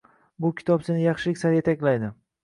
Bu kitob seni yaxshilik sari yetaklaydi.